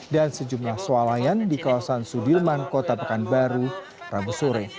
dan sejumlah swalayan di kawasan sudirman kota pekanbaru rabu sore